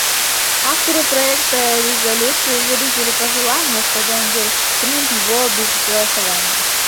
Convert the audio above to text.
Авторы проекта резолюции выразили пожелание, чтобы он был принят его без голосования.